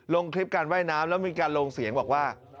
ลงคลิปการว่ายน้ำแล้วมีการลงเสียงบอกว่า